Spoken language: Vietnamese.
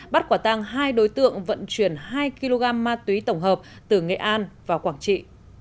bắt quả tăng hai đối tượng vận chuyển hai kg ma túy tổng hợp từ nghệ an vào quảng trị